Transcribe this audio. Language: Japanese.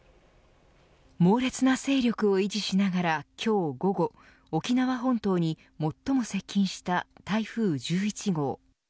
猛烈な勢力を維持しながら今日午後沖縄本島に最も接近した台風１１号。